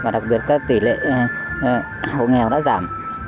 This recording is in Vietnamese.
đặc biệt tỷ lệ hồ nghèo đã giảm